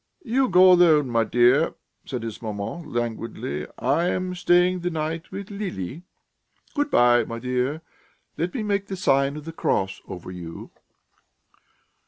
"You go alone, my dear," said his maman languidly. "I am staying the night with Lili. Goodbye, my dear.... Let me make the sign of the cross over you."